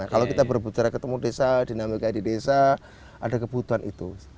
kalau kita berbicara ketemu desa dinamika di desa ada kebutuhan itu